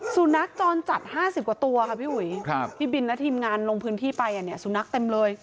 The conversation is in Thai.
สุนัขจรจัด๕๐กว่าตัวค่ะพี่อุ๋ยพี่บินและทีมงานลงพื้นที่ไปเนี่ยสุนัขเต็มเลย